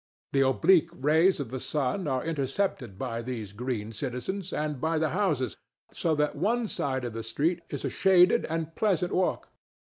The oblique rays of the sun are intercepted by these green citizens and by the houses, so that one side of the street is a shaded and pleasant walk.